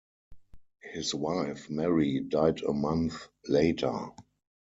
His wife, Mary, died a month later.